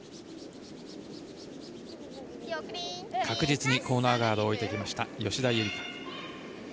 確実にコーナーガードを置いてきました、吉田夕梨花。